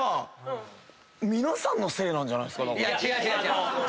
いや違う違う違う。